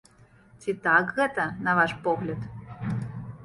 Ці так гэта, на ваш погляд?